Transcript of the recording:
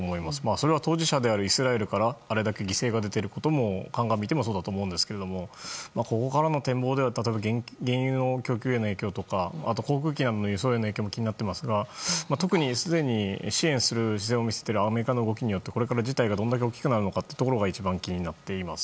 それは当事者のイスラエルからあれだけ犠牲が出ていることを鑑みてもそうだと思うんですけどここからの展望では例えば原油の供給への影響とかあと航空機の輸送などの影響も気になっていますが特に、すでに支援する姿勢を見せているアメリカの動きによってこれから事態がどれだけ大きくなるのかが一番気になっています。